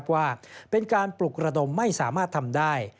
ว่าเป็นการปลุกระดมไม่สามารถทำได้